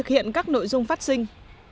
hiện các nội dung phát sinh